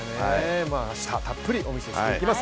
明日、たっぷりお見せしていきます。